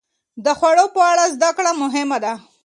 د خوړو په اړه زده کړه مهمه ده.